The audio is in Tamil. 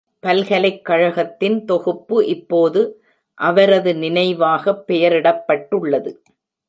பல்கலைக்கழகத்தின் தொகுப்பு இப்போது அவரது நினைவாக பெயரிடப்பட்டுள்ளது.